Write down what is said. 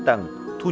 thu nhỏ dài